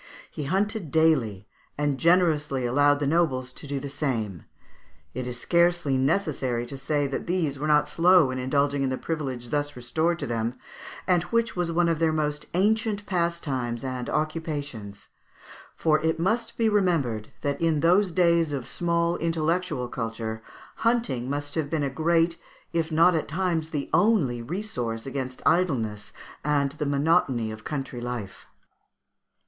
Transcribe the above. He hunted daily, and generously allowed the nobles to do the same. It is scarcely necessary to say that these were not slow in indulging in the privilege thus restored to them, and which was one of their most ancient pastimes and occupations; for it must be remembered that, in those days of small intellectual culture, hunting must have been a great, if not at times the only, resource against idleness and the monotony of country life.